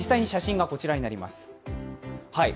実際の写真がこちらになります。